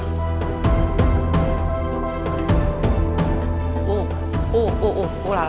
oh oh oh oh ulala ulala